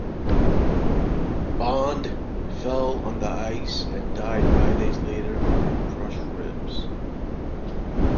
Bond fell on the ice, and died five days later from crushed ribs.